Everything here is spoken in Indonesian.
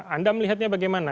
anda melihatnya bagaimana